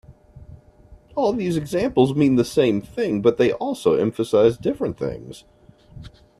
All these examples mean the same thing but they also emphasize different things.